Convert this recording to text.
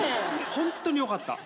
ホントによかった。